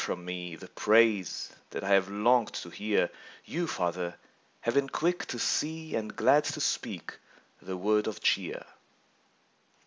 from me The praise that I have longed to hear, Y>u, Father, have been quick to see Ar^d glad to speak the word of cheer.